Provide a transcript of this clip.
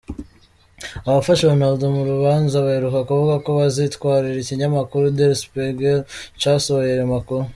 Abafasha Ronaldo mu rubanza baheruka kuvuga ko bazitwarira ikinyamakuru Der Spiegel casohoye ayo makuru.